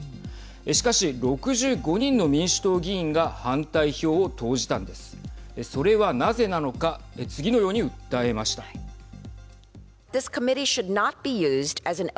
しかし６５人の民主党議員が反対票を投じたんです。